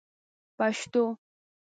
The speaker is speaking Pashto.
پشتو